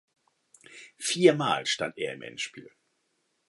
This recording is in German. Viermal stand er im Endspiel.